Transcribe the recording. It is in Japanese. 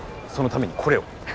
そのためにこれを。